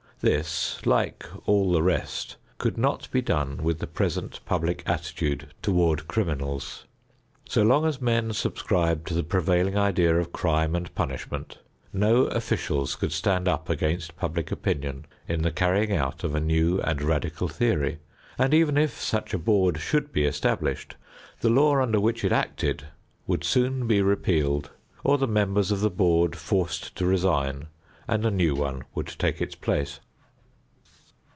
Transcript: This like all the rest could not be done with the present public attitude toward criminals. So long as men subscribe to the prevailing idea of crime and punishment, no officials could stand up against public opinion in the carrying out of a new and radical theory, and even if such a board should be established, the law under which it acted would soon be repealed or the members of the board forced to resign and a new one would take its place.